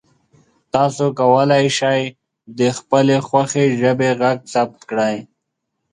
تاسو کولی شئ د خپلې خوښې ژبې غږ ثبت کړئ.